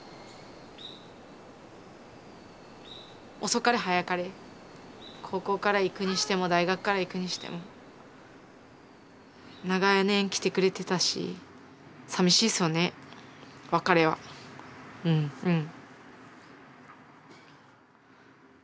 遅かれ早かれ高校から行くにしても大学から行くにしても長年来てくれてたしうんうん。